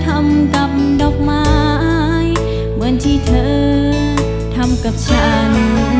ทำกับดอกไม้เหมือนที่เธอทำกับฉัน